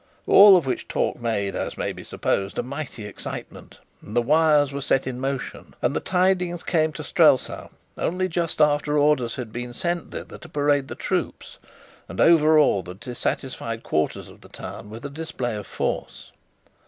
All of which talk made, as may be supposed, a mighty excitement: and the wires were set in motion, and the tidings came to Strelsau only just after orders had been sent thither to parade the troops and overawe the dissatisfied quarters of the town with a display of force.